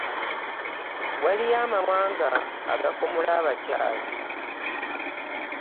Waliyo amawanga agakomola abakyala.